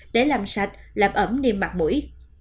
để làm sạch làm ẩm niềm mặt mũi